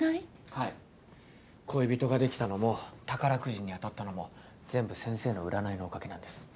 はい恋人が出来たのも宝くじに当たったのも全部先生の占いのおかげなんです。